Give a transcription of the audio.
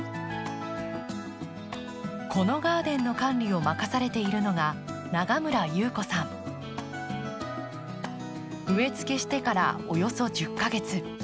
このガーデンの管理を任されているのが植えつけしてからおよそ１０か月。